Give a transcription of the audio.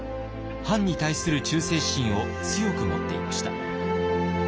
藩に対する忠誠心を強く持っていました。